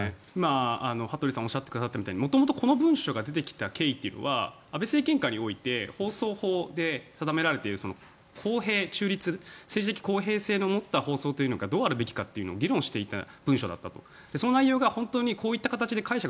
羽鳥さんがおっしゃってくださったみたいに元々この文書が出てきた経緯というのは安倍政権下において放送法で定められている公平中立政治的公平性を持った放送がどういうものを議論していた文書だったと。